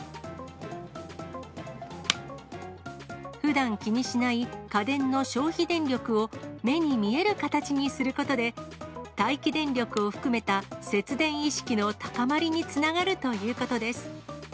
ふだん気にしない家電の消費電力を、目に見える形にすることで、待機電力を含めた節電意識の高まりにつながるということです。